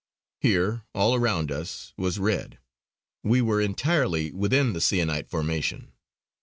Here, all around us, was red; we were entirely within the sienite formation.